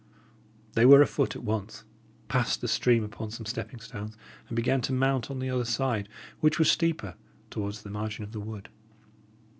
They were afoot at once, passed the stream upon some stepping stones, and began to mount on the other side, which was steeper, towards the margin of the wood.